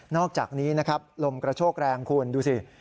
อกจากนี้นะครับลมกระโชกแรงคุณดูสิ